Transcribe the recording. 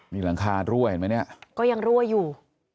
นี่หลังคารั่วเห็นไหมเนี่ยก็ยังรั่วอยู่